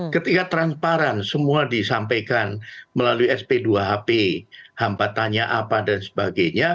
ketika transparan semua disampaikan melalui sp dua hp hambatannya apa dan sebagainya